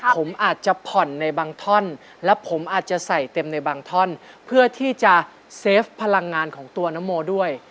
ผมอาจจะผ่อนในบางท่อนและผมอาจจะใส่เต็มในบางท่อนเพื่อที่จะเซฟพลังงานของตัวนโมด้วย